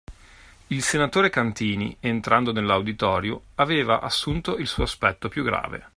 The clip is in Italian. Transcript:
Il senatore Cantini, entrando nell'auditorio, aveva assunto il suo aspetto più grave.